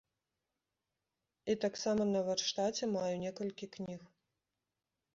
І таксама на варштаце маю некалькі кніг.